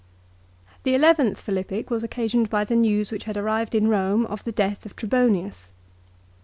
The eleventh Philippic was occasioned by the news which had arrived in Borne of the death of Trebonius.